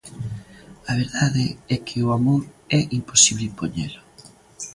A verdade é que o amor é imposible impoñelo.